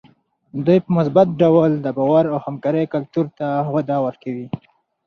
دوی په مثبت ډول د باور او همکارۍ کلتور ته وده ورکوي.